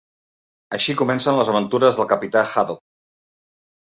Així comencen les aventures del capità Haddock.